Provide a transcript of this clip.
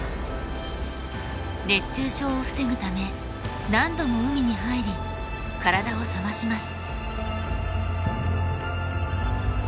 熱中症を防ぐため何度も海に入り体を冷まします。